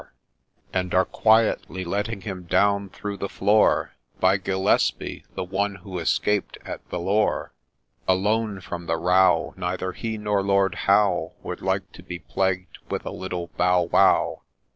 66 THE CYNOTAPH And are quietly letting him down through the floor, By Gillespie, the one who escaped, at Vellore, Alone from the row ;— Neither he, nor Lord Howe Would like to be plagued with a little Bow wow.